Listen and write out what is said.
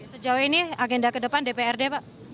sejauh ini agenda ke depan dprd pak